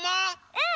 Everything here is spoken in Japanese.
うん！